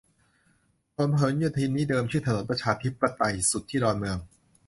ถนนพหลโยธินนี่เดิมชื่อ "ถนนประชาธิปไตย" สุดที่ดอนเมือง